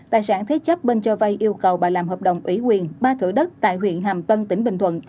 tài sản thế chấp bên cho vay yêu cầu bà làm hợp đồng ủy quyền ba thửa đất tại huyện hàm tân tỉnh bình thuận